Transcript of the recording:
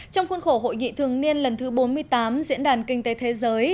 trong khuôn khổ hội nghị thường niên lần thứ bốn mươi tám diễn đàn kinh tế thế giới